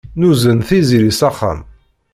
Nuzen Tiziri s axxam.